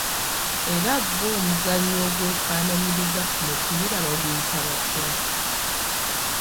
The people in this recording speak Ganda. Era bo omuzannyo ogwefaanaanyiriza ku mupiira baguyita batya?